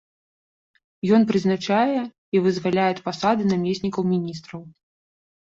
Ён прызначае і вызваляе ад пасады намеснікаў міністраў.